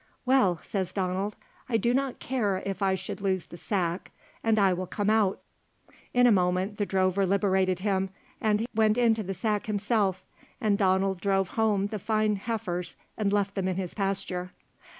"Well," says Donald, "I do not care if I should loose the sack, and I will come out." In a moment the drover liberated him, and went into the sack himself, and Donald drove home the fine heifers, and left them in his pasture.